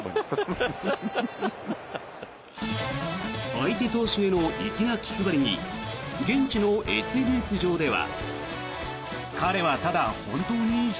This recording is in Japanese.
相手投手への粋な気配りに現地のＳＮＳ上では。